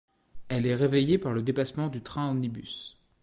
Elle est réveillée par le dépassement du train omnibus.